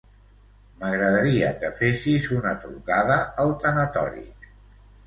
M'agradaria que fessis una trucada al tanatori.